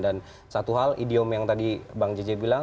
dan satu hal idiom yang tadi bang jeje bilang